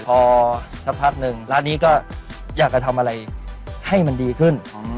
พอสักพักหนึ่งร้านนี้ก็อยากจะทำอะไรให้มันดีขึ้น